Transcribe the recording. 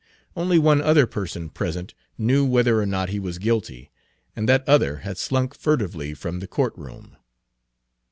Only one other person present knew whether or not he was guilty, and that other had slunk furtively from the court room.